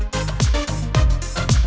yuk kita kembali nanti nih